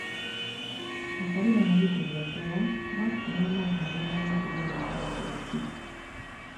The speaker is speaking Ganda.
Akabina n'abigulira ddala, mwattu n'amaaso nago bamanyi okugaligisa bati bati!